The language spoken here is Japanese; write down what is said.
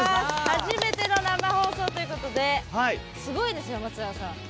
初めての生放送ということですごいですよ松永さん。